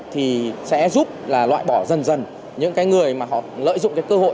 thì sẽ giúp loại bỏ dần dần những người lợi dụng cơ hội